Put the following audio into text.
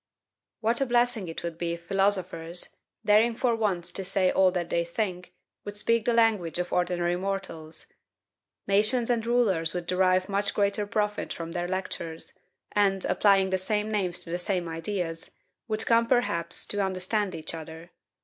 What a blessing it would be if philosophers, daring for once to say all that they think, would speak the language of ordinary mortals! Nations and rulers would derive much greater profit from their lectures, and, applying the same names to the same ideas, would come, perhaps, to understand each other.